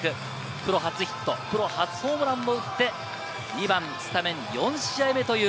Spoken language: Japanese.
プロ初ヒット、プロ初ホームランも打って、２番スタメン４試合目という